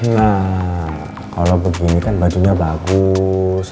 nah kalau begini kan bajunya bagus